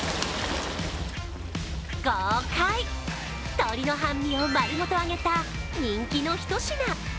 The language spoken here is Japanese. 鶏の半身を丸ごと揚げた人気のひと品。